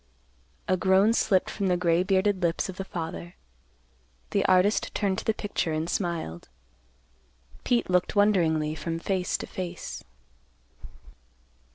A groan slipped from the gray bearded lips of the father. The artist turned to the picture and smiled. Pete looked wonderingly from face to face.